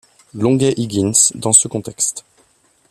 Longuet-Higgins dans ce contexte.